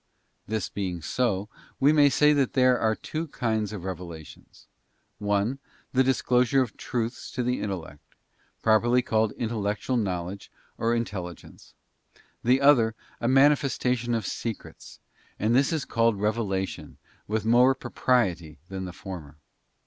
This being so, we may say that there are two kinds of revelations: one, the disclosure of truths to the intellect, properly called intellectual knowledge or intelli gence ; the other, a manifestation of secrets, and this is called revelation with more propriety than the former.